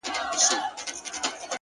شاعره خداى دي زما ملگرى كه ـ